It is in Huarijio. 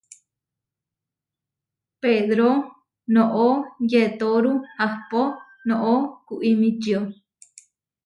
Pedró noʼó yetóru ahpó noʼó kuimičio.